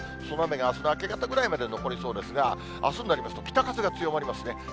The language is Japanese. その雨があすの明け方ぐらいまで残りそうですが、あすになりますと、北風が強まりますね。